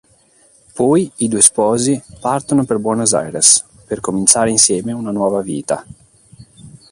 Poi, i due sposi partono per Buenos Aires per cominciare insieme una nuova vita.